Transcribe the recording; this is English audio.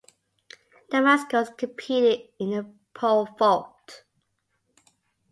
Damaskos competed in the pole vault.